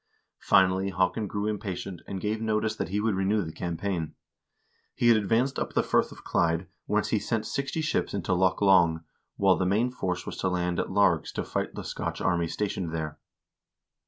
Finally Haakon grew impatient, and gave notice that he would renew the campaign. He had advanced up the Firth of Clyde, whence he sent sixty ships into Loch Long, while the main force was to land at Largs to fight the Scotch army stationed there.